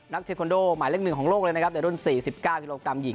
นักเทคโนโดหมายเลขหนึ่งของโลกเลยนะครับแต่รุ่นสี่สิบเก้าธีโรคกรรมหญิง